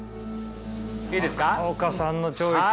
いいですか？